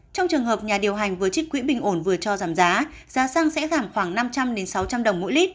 trong trường hợp nhà điều hành với chiếc quỹ bình ổn vừa cho giảm giá giá xăng sẽ giảm khoảng năm trăm linh sáu trăm linh đồng mỗi lít